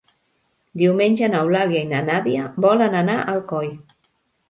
Diumenge n'Eulàlia i na Nàdia volen anar a Alcoi.